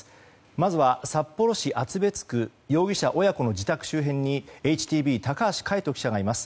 まずは札幌市厚別区の容疑者親子の自宅周辺にＨＴＢ高橋海斗記者がいます。